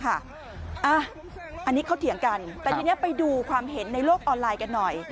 อันนี้เขาเถียงกันแต่ทีนี้ไปดูความเห็นในโลกออนไลน์กันหน่อย